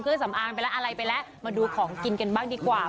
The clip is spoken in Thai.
สำอางไปแล้วอะไรไปแล้วมาดูของกินกันบ้างดีกว่า